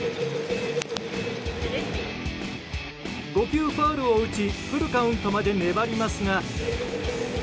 ５球ファウルを打ちフルカウントまで粘りますが。